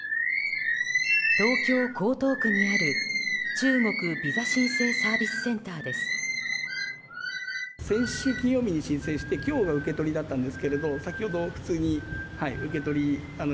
東京・江東区にある中国ビザ申請サービスセンターです。